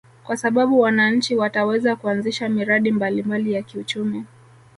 Kwa sababu wananchi wataweza kuanzisha miradi mbalimbali ya kiuchumi